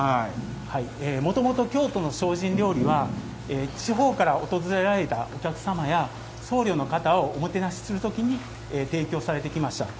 もともと京都の精進料理は地方から訪れられたお客様や僧侶の方をおもてなしする時に提供されてきました。